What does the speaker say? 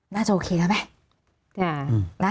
น่าจะโอเคแล้วไหม